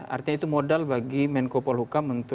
artinya itu modal bagi menko polhukam